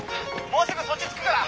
もうすぐそっち着くから。